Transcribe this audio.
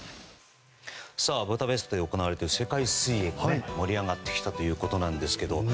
ブダペストで行われている世界水泳が盛り上がってきたということなんですが。